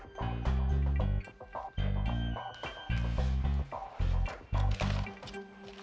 pasti disimpin yang berharga di sini